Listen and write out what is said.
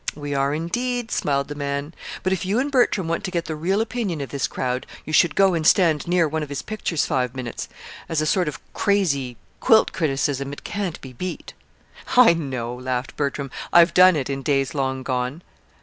"We are, indeed," smiled the man. "But if you and Bertram want to get the real opinion of this crowd, you should go and stand near one of his pictures five minutes. As a sort of crazy quilt criticism it can't be beat." "I know," laughed Bertram. "I've done it, in days long gone."